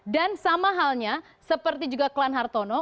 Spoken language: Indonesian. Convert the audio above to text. dan sama halnya seperti juga klan hartono